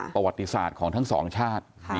ประวัติศาสตร์ของทั้งสองชาติ